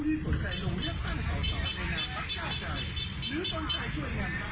เพื่อให้ชาวต่อบ้านสิงห์เรียเนี่ยได้มีปับปาใช้ไม่ขาด